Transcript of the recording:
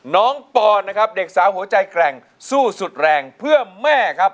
ปอนนะครับเด็กสาวหัวใจแกร่งสู้สุดแรงเพื่อแม่ครับ